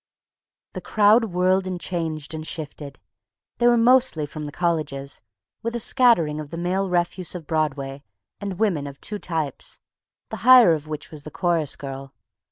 The crowd whirled and changed and shifted. They were mostly from the colleges, with a scattering of the male refuse of Broadway, and women of two types, the higher of which was the chorus girl.